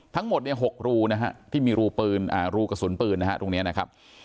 ทั้งหมดเนี่ย๖รูนะฮะที่มีรูกระสุนปืนนะฮะตรงนี้นะครับ